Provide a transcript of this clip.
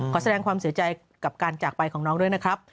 ขอแสดงความเสียใจกับการจากไปของน้องด้วยนะครับ